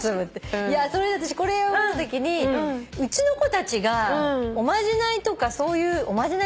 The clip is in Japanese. それで私これ読むときにうちの子たちがおまじないとかそういう。